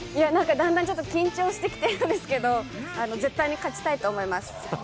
段々ちょっと緊張してきてるんですけれども絶対に勝ちたいと思います。